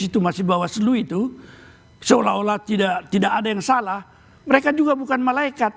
situasi bawah selu itu seolah olah tidak ada yang salah mereka juga bukan malaikat